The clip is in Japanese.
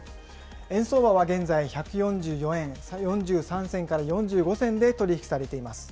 円相場は現在１４４円４３銭から４５銭で取り引きされています。